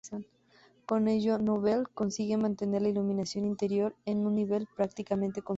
Con ello Nouvel consigue mantener la iluminación interior en un nivel prácticamente constante.